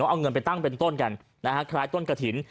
เอาเงินไปตั้งเป็นต้นกันนะฮะคล้ายต้นกระถิ่น